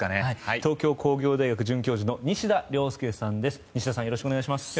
東京工業大学准教授の西田亮介さんです。